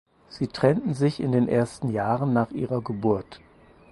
Sie trennten sich in den ersten Jahren nach ihrer Geburt.